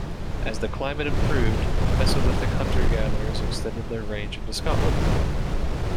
As the climate improved, mesolithic hunter-gatherers extended their range into Scotland.